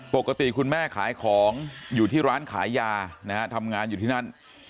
ปกติคุณแม่ขายของอยู่ที่ร้านขายยานะฮะทำงานอยู่ที่นั่น